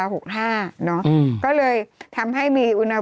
จำกัดจำนวนได้ไม่เกิน๕๐๐คนนะคะ